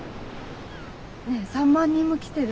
ねえ３万人も来てる。